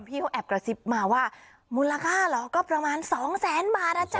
พี่เขาแอบกระซิบมาว่ามูลค่าเหรอก็ประมาณสองแสนบาทนะจ๊